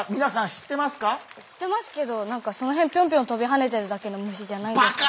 知ってますけど何かそのへんピョンピョンとびはねてるだけの虫じゃないんですか？